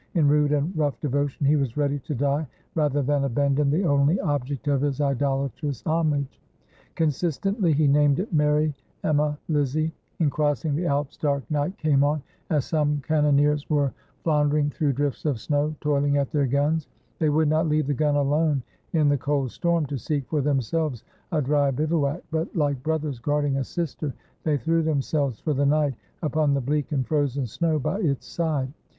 In rude and rough devotion he was ready to die rather than abandon the only object of his idolatrous homage. Consistently he named it Mary, Emma, Lizzie. In crossing the Alps, dark night came on, as some cannoneers were flounder 122 WHEN NAPOLEON CROSSED THE ALPS ing through drifts of snow, toiling at their guns. They would not leave the gun alone in the cold storm, to seek for themselves a dry bivouac; but, like brothers guarding a sister, they threw themselves, for the night, upon the bleak and frozen snow by its side.